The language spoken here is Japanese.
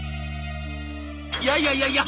「いやいやいやいや！